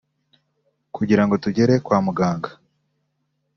kugirango tugere kwa muganga